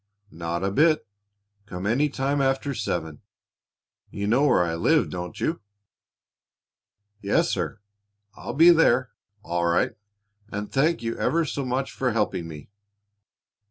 "Not a bit. Come any time after seven. You know where I live, don't you?" "Yes, sir. I'll be there, all right; and thank you ever so much for helping me."